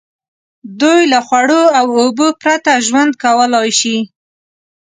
دوی له خوړو او اوبو پرته ژوند کولای شي.